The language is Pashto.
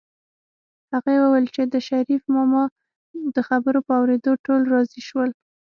هغې وویل چې د شريف ماما د خبرو په اورېدو ټول راضي شول